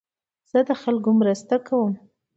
زه د خلکو مرسته کوم.